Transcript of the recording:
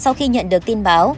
sau khi nhận được tin báo